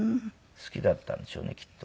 好きだったんでしょうねきっと。